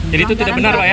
jadi itu tidak benar pak ya